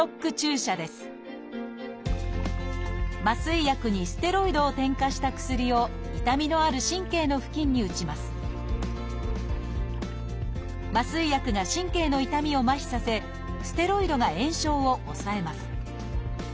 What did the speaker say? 麻酔薬にステロイドを添加した薬を痛みのある神経の付近に打ちます麻酔薬が神経の痛みをまひさせステロイドが炎症を抑えます。